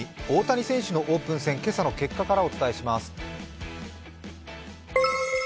大谷選手のオープン戦、今朝の結果からお伝えします。